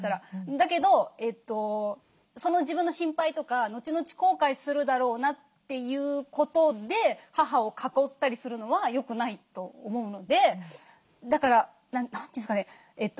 だけどその自分の心配とかのちのち後悔するだろうなということで母を囲ったりするのは良くないと思うのでだから何て言うんですかね